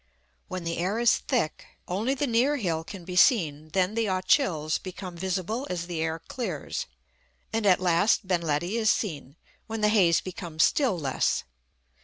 When the air is thick, only the near hill can be seen; then the Ochils become visible as the air clears; and at last Ben Ledi is seen, when the haze becomes still less.